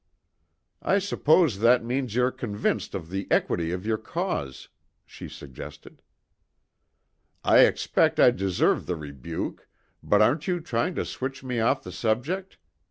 "I suppose that means you're convinced of the equity of your cause," she suggested. "I expect I deserve the rebuke, but aren't you trying to switch me off the subject?"